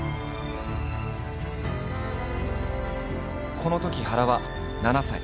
このとき原は７歳。